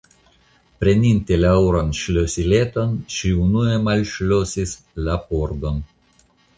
Preninte la oran ŝlosileton, ŝi unue malŝlosis la pordon.